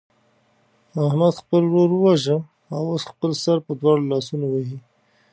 احمد خپل ورور وواژه او اوس خپل سر په دواړو لاسونو وهي.